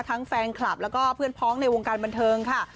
แฟนคลับแล้วก็เพื่อนพ้องในวงการบันเทิงค่ะ